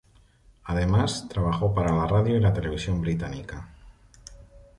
Además trabajó para la radio y televisión británica.